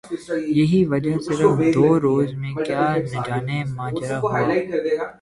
یہی وجہ صرف دو روز میں کیا نجانے ماجرہ ہوا